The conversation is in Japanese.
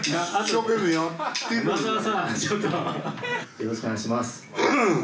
よろしくお願いします。